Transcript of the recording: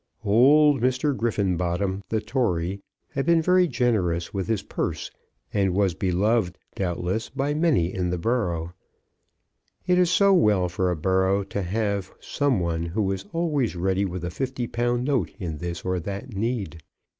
Old Mr. Griffenbottom, the Tory, had been very generous with his purse, and was beloved, doubtless, by many in the borough. It is so well for a borough to have some one who is always ready with a fifty pound note in this or that need!